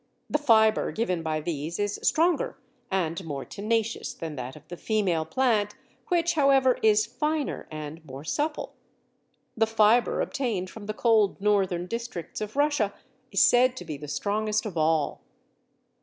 The fibre given by these is stronger and more tenacious than that of the female plant, which, however, is finer and more supple. The fibre obtained from the cold northern districts of Russia is said to be the strongest of all.